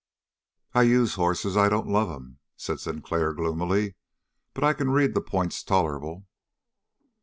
"I use hosses I don't love 'em," said Sinclair gloomily. "But I can read the points tolerable."